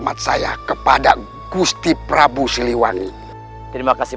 baik terima kasih